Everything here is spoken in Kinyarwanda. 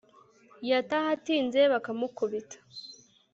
yataha atinze bakamukubita